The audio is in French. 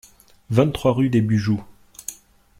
vingt-trois rue des Bujoux